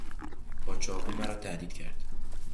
با چاقو مرا تهدید کرد.